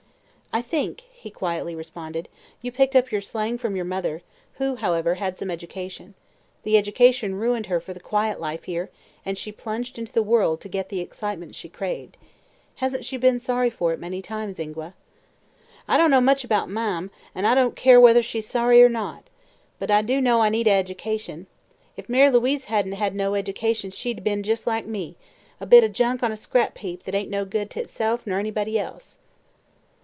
"I think," he quietly responded, "you picked up your slang from your mother, who, however, had some education. The education ruined her for the quiet life here and she plunged into the world to get the excitement she craved. Hasn't she been sorry for it many times, Ingua?" "I don't know much 'bout Marm, an' I don't care whether she's sorry or not. But I do know I need an eddication. If Mary Louise hadn't had no eddication she'd 'a' been just like me: a bit o' junk on a scrap heap, that ain't no good to itself ner anybody else."